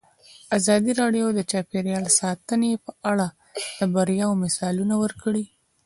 ازادي راډیو د چاپیریال ساتنه په اړه د بریاوو مثالونه ورکړي.